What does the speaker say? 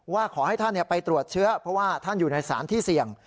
ว่าขอให้ท่านไปตรวจเชื้อเพราะว่าท่านอยู่ในสารที่เสี่ยง